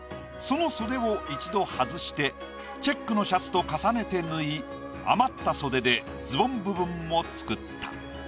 その袖を一度外してチェックのシャツと重ねて縫い余った袖でズボン部分も作った。